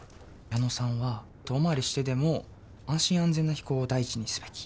矢野さんは遠回りしてでも安心安全な飛行を第一にすべき。